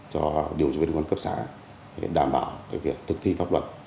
cho điều tra viên quân cấp xã để đảm bảo việc thực thi pháp luật